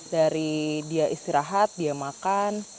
dari dia istirahat dia makan